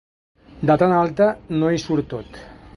De tan alta no hi surt tot.